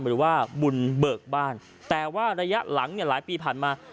หรือว่าบุญเบิกบ้านแต่ว่าระยะหลังเนี่ยหลายปีผ่านมา